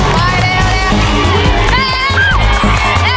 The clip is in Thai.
ปล่อยเร็วเร็ว